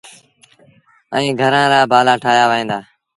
ائيٚݩ گھرآݩ لآ بآلآ ٺآهيآ وهيݩ دآ۔